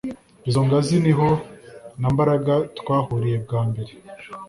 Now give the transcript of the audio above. Izo ngazi niho na Mbaraga twahuriye bwa mbere